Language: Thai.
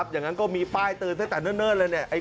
อย่างนั้นก็มีป้ายเตือนใส่แต่เนิ่นเลย